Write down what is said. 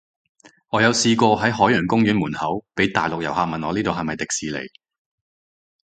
我有試過喺海洋公園門口，被大陸遊客問我呢度係咪迪士尼